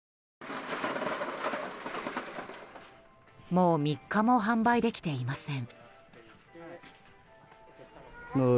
もう３日も販売できていません。